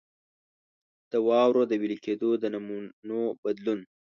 د واورو د وېلې کېدو د نمونو بدلون.